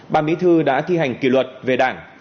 bà mỹ thư đã thi hành kỷ luật về đảng